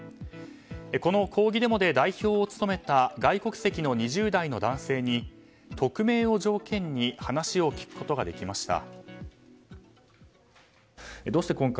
この抗議デモで代表を務めた外国籍の２０代の男性に匿名を条件に話を聞くことができました。